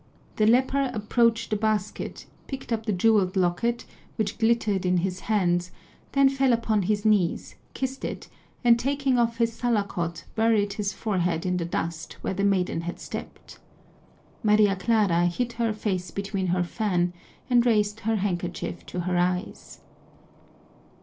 The leper approached the basket, picked up the jeweled locket, which glittered in his hands, then fell upon his knees, kissed it, and taking off his salakot buried his forehead in the dust where the maiden had stepped. Maria Clara hid her face behind her fan and raised her handkerchief to her eyes.